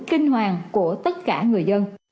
kinh hoàng của tất cả người dân